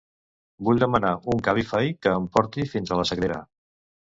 Vull demanar un Cabify que em porti fins a la Sagrera.